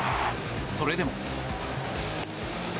それでも。